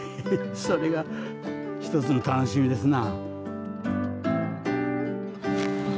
それが一つの楽しみですな。